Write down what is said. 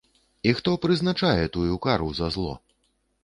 І хто прызначае тую кару за зло?